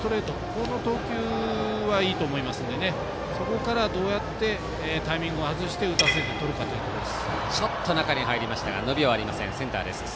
この投球はいいと思いますのでそこからどうやって打たせてとるかというところです。